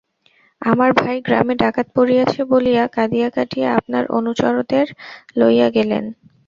আমার ভাই গ্রামে ডাকাত পড়িয়াছে বলিয়া কাঁদিয়া কাটিয়া আপনার অনুচরদের লইয়া গেলেন।